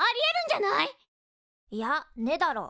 いやねえだろ。